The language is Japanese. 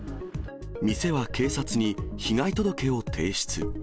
店は警察に被害届を提出。